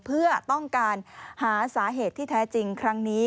เพื่อต้องการหาสาเหตุที่แท้จริงครั้งนี้